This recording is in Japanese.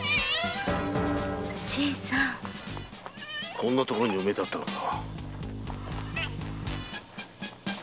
こんな所に埋めてあったのか。